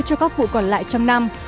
cho các vụ còn lại trong năm